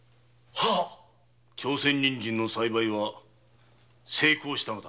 朝鮮人参の栽培は成功したのだ。